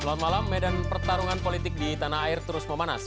selamat malam medan pertarungan politik di tanah air terus memanas